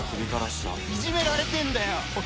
いじめられてんだよ。